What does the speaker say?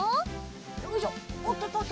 よいしょおっとっとっと。